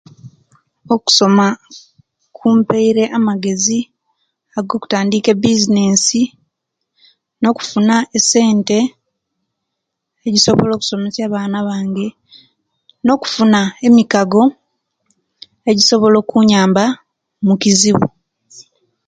Okusoma kumpaire amagezi agokutandika ebizinensi nokufuna essente egisobola okusomesya abaana bange nokufuna emikago egisobola okunyamba mukizibu.